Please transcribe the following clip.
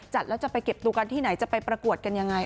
แล้วจะไปเก็บดูกันที่ไหนจะไปประกวดกันยังไง